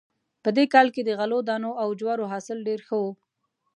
په دې کال کې د غلو دانو او جوارو حاصل ډېر ښه و